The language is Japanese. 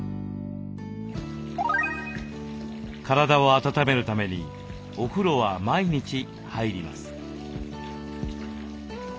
体を温めるためにお風呂は毎日入ります。